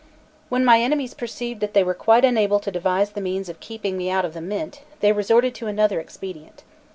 When my enemies perceived that they were quite unable to devise the means of keeping me out of the Mint, they resorted to another expedient.